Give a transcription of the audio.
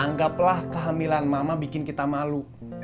anggaplah kehamilan mama bikin kita malu